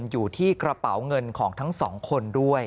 อยู่ที่กระเป๋าเงินของทั้งสองคนด้วย